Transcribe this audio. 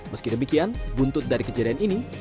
meski demikian buntut dari kejadian ini